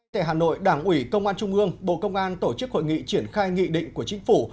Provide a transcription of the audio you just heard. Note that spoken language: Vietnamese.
tại hà nội đảng ủy công an trung ương bộ công an tổ chức hội nghị triển khai nghị định của chính phủ